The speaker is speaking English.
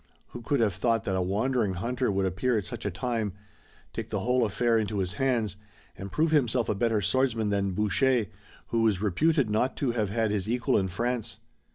Who could have thought that a wandering hunter would appear at such a time, take the whole affair into his hands, and prove himself a better swordsman than Boucher, who was reputed not to have had his equal in France.